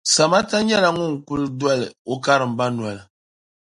Samata nyɛla ŋun kuli doli o karimba noli.